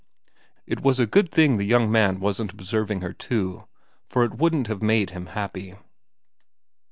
It was a good thing the young man wasn't observ ing her too, for it wouldn't have made him happy.